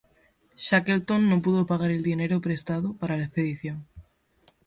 Shackleton no pudo pagar el dinero prestado para la expedición.